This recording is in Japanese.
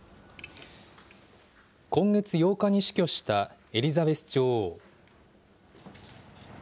今月８日に死去したエリザベス女王。